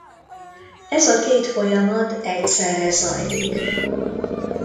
Ez a két folyamat egyszerre zajlik.